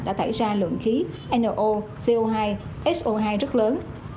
đã thải ra lượng khí no co hai so hai rất lớn